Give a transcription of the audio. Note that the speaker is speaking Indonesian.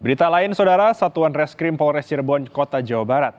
berita lain saudara satuan reskrim polres cirebon kota jawa barat